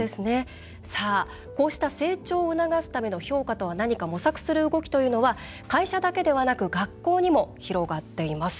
こうした成長を促すための評価とは何か模索する動きというのは会社だけではなくて学校にも広がっています。